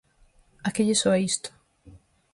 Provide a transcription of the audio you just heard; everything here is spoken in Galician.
¿A que lles soa isto?